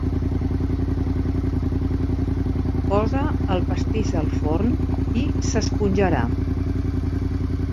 Posa el pastís al forn i s'esponjarà.